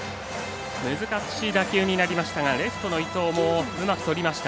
難しい打球になりましたがレフトの伊藤もうまくとりました。